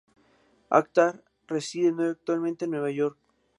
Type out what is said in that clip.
Akhtar reside actualmente en Nueva York.